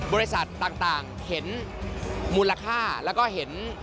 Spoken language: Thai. บริษัทต่างเห็นมูลค่าแล้วก็เห็น